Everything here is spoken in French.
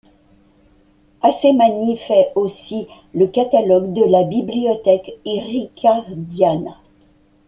Assemani fait aussi le catalogue de la Bibliothèque Riccardiana.